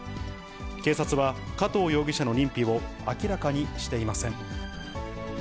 警察は加藤容疑者の認否を明らかにしていません。